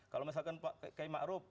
kalau misalkan pak kay mak rup